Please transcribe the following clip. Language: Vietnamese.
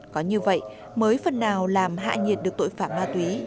có như vậy mới phần nào làm hạ nhiệt được tội phạm ma túy